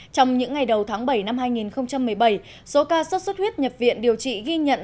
trong những ngày đầu tháng bảy năm hai nghìn một mươi bảy số ca sốt xuất huyết nhập viện điều trị ghi nhận